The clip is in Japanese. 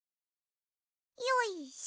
よいしょ！